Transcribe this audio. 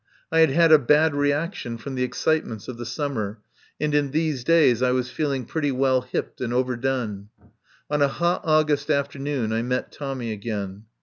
I had had a bad reaction from the excitements of the summer, and in these days I was feeling pretty well hipped and overdone. On a hot August afternoon I met Tommy again.